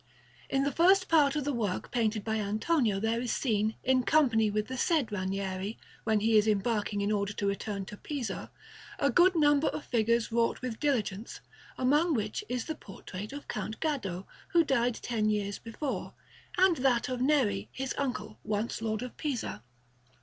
In the first part of the work painted by Antonio there is seen, in company with the said Ranieri when he is embarking in order to return to Pisa, a good number of figures wrought with diligence, among which is the portrait of Count Gaddo, who died ten years before, and that of Neri, his uncle, once Lord of Pisa.